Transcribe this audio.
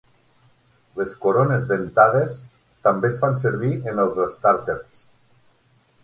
Les corones dentades també es fan servir en els estàrters.